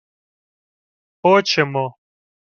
— Хочемо.